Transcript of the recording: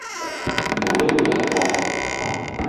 無呢個人噃